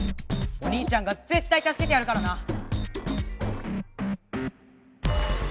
お兄ちゃんがぜったいたすけてやるからな！